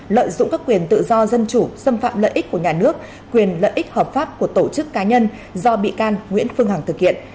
lợi dụng các quyền tự do dân chủ xâm phạm lợi ích của nhà nước quyền lợi ích hợp pháp của tổ chức cá nhân do bị can nguyễn phương hằng thực hiện